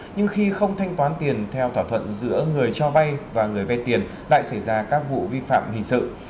nhưng khi không thanh toán tiền theo thỏa thuận giữa người cho vay và người vay tiền lại xảy ra các vụ vi phạm hình sự